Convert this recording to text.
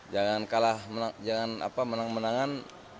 jangan kalah jangan menang menangan